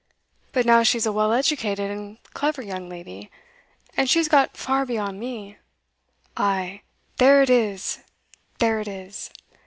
But now she's a well educated and clever young lady, and she has got far beyond me ' 'Ay, there it is, there it is!